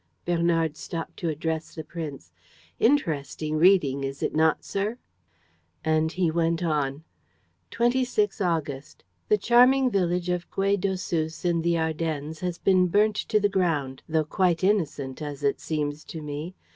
'" Bernard stopped to address the prince: "Interesting reading, is it not, sir?" And he went on: "'26 August. The charming village of Gué d'Hossus, in the Ardennes, has been burnt to the ground, though quite innocent, as it seems to me.